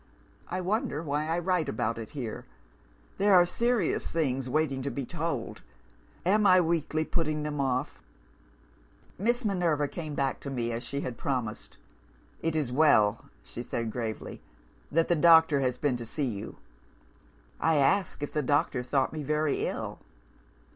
I wonder why I write about it here? There are serious things waiting to be told am I weakly putting them off? "Miss Minerva came back to me as she had promised. 'It is well,' she said gravely, 'that the doctor has been to see you.' "I asked if the doctor thought me very ill.